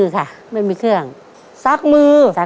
ครอบครัวของแม่ปุ้ยจังหวัดสะแก้วนะครับ